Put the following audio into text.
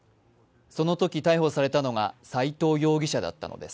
そのとき逮捕されたのが斎藤容疑者だったのです。